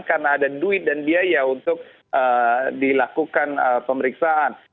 karena ada duit dan biaya untuk dilakukan pemeriksaan